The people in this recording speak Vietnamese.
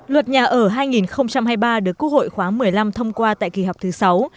luật nhà ở hai nghìn hai mươi ba được quốc hội khóa một mươi năm thông qua tại kỳ họp thứ sáu